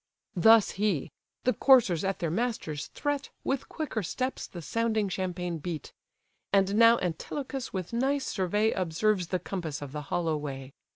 Thus he. The coursers at their master's threat With quicker steps the sounding champaign beat. And now Antilochus with nice survey Observes the compass of the hollow way.